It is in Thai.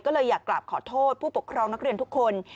ก็เลยอยากกลับขอโทษผู้ปกครองนักเรียนทุกคน